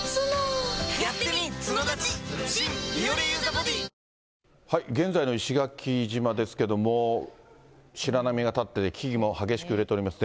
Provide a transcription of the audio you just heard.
将棋界の星、現在の石垣島ですけれども、白波が立って、木々も激しく揺れております。